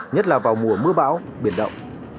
nhất là vào mùa mưa bão biển đậu